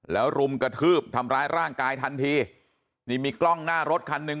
แล้วรุมกระทืบทำร้ายร่างกายทันทีนี่มีกล้องหน้ารถคันหนึ่ง